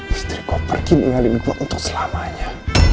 istri gua pergi tinggalin gua untuk selamanya